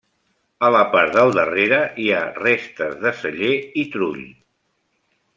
A la part del darrere hi ha restes de celler i trull.